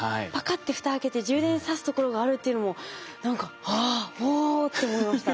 ッて蓋開けて充電さすところがあるっていうのも何か「ああ！おお！」って思いました。